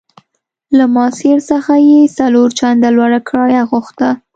له ماسیر څخه یې څلور چنده لوړه کرایه غوښته.